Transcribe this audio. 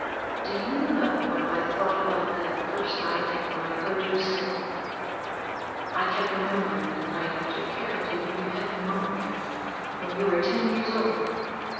Do you know what I thought about that first night when I heard you sing? I kept remembering the night I took care of you when you had pneumonia, when you were ten years old.